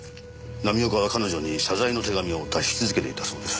浪岡は彼女に謝罪の手紙を出し続けていたそうです。